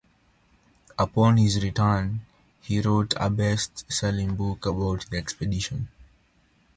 Upon his return, he wrote a best-selling book about the expedition.